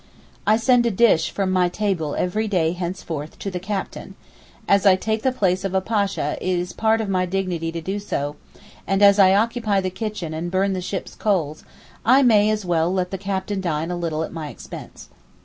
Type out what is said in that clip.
I send a dish from my table every day henceforth to the captain; as I take the place of a Pasha it is part of my dignity to do so; and as I occupy the kitchen and burn the ship's coals, I may as well let the captain dine a little at my expense.